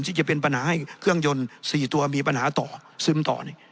ที่จะเป็นปัญหาให้เครื่องยนต์๔ตัวมีปัญหาต่อซึมต่อ